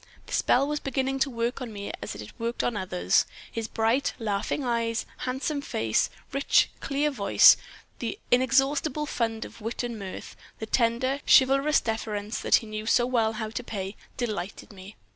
The spell was beginning to work on me as it worked on others. His bright, laughing eyes, handsome face, rich, clear voice, the inexhaustible fund of wit and mirth, the tender, chivalrous deference that he knew so well how to pay, delighted me.